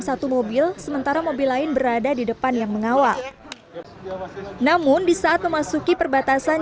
satu mobil sementara mobil lain berada di depan yang mengawal namun di saat memasuki perbatasan